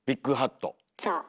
そう。